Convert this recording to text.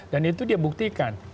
dan itu dia buktikan